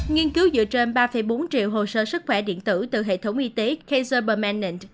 nghiên cứu dựa trên ba bốn triệu hồ sơ sức khỏe điện tử từ hệ thống y tế kcerbam ment